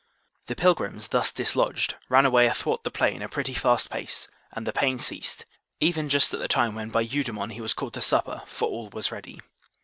The pilgrims, thus dislodged, ran away athwart the plain a pretty fast pace, and the pain ceased, even just at the time when by Eudemon he was called to supper, for all was ready.